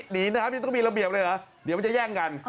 หนีน้ำยังต้องมีระเบียบเลยเหรอเดี๋ยวมันจะแย่งกัน